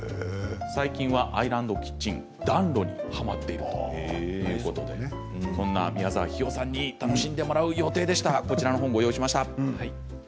最近はアイランドキッチン暖炉にはまっているということでそんな宮沢氷魚さんに楽しんでもらう予定でしたこちらの本をご用意しました。